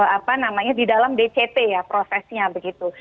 apa namanya di dalam dct ya prosesnya begitu